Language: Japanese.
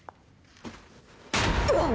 うわっ！？